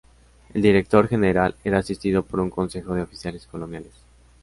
El Director-General era asistido por un consejo de oficiales coloniales.